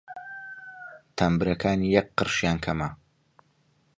تەمبرەکانی یەک قرشیان کەمە!